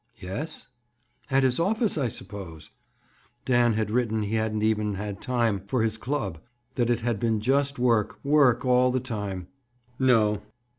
"Yes." "At his office, I suppose?" Dan had written he hadn't even had time for his club; that it had been just work—work all the time. "No."